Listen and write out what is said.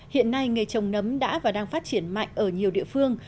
hiện nay nghề trồng nấm đã và đang phát triển mạnh ở nhiều địa phương